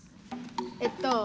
えっと